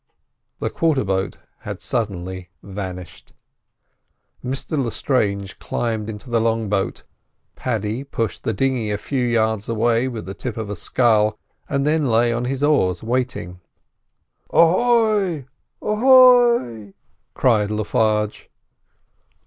The quarter boat had suddenly vanished. Mr Lestrange climbed into the long boat. Paddy pushed the dinghy a few yards away with the tip of a scull, and then lay on his oars waiting. "Ahoy! ahoy!" cried Le Farge.